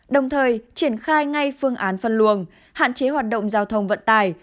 đồng thời triển khai ngay phương án phân luồng hạn chế hoạt động giao thông vận tải